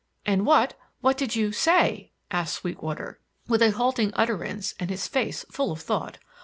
"And what what did you say?" asked Sweetwater, with a halting utterance and his face full of thought.